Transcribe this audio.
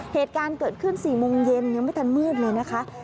เหตุการณ์เกิดขึ้น๔โมงเย็นยังไม่ทันมืดเลยนะคะ